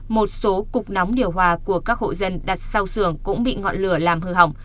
một số cục nóng điều hòa của các hộ dân đặt sau xưởng cũng bị ngọn lửa làm hư hỏng